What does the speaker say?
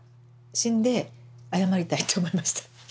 死んで謝りたいと思いました